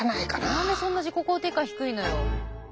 何でそんな自己肯定感低いのよ。